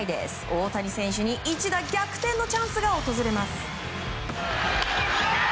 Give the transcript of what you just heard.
大谷選手に一打逆転のチャンスが訪れます。